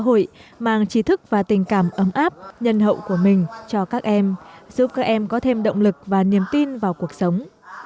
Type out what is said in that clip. nhiều người trong xã hội mang trí thức và tình cảm ấm áp nhân hậu của mình cho các em giúp các em có thêm động lực và niềm tin vào cuộc sống